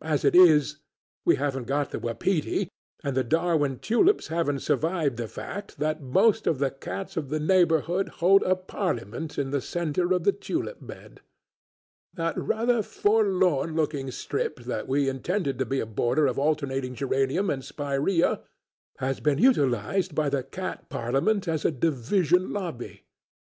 As it is, we haven't got the wapiti, and the Darwin tulips haven't survived the fact that most of the cats of the neighbourhood hold a parliament in the centre of the tulip bed; that rather forlorn looking strip that we intended to be a border of alternating geranium and spiræa has been utilised by the cat parliament as a division lobby.